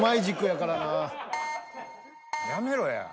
［やめろや］